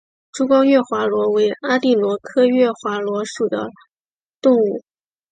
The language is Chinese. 珠光月华螺为阿地螺科月华螺属的动物。